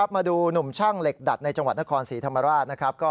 มาดูหนุ่มช่างเหล็กดัดในจังหวัดนครศรีธรรมราชนะครับ